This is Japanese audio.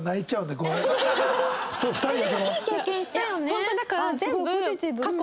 ホントにだから全部。